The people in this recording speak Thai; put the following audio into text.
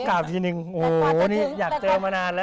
กลับทีนึงโหนี่อยากเจอมานานแล้ว